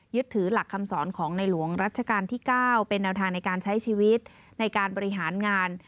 ถือหลักคำสอนของในหลวงรัชกาลที่๙เป็นแนวทางในการใช้ชีวิตในการบริหารงาน